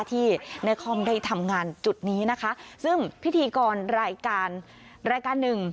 ที่นครได้ทำงานจุดนี้นะคะซึ่งพิธีกรรายการรายการหนึ่ง